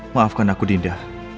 maafkan aku dinda